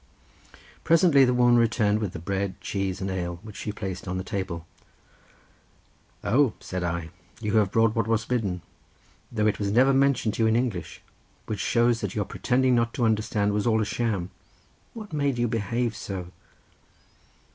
Presently the woman returned with the bread, cheese and ale, which she placed on the table. "Oh," said I, "you have brought what was bidden, though it was never mentioned to you in English, which shows that your pretending not to understand was all a sham. What made you behave so?"